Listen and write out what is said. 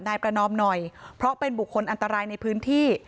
นายประนอมหน่อยเพราะเป็นบุคคลอันตรายในพื้นที่